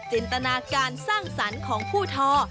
จินตนาการสร้างสรรค์ของผู้ทอ